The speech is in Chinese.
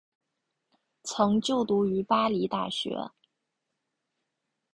曾就读于巴黎大学。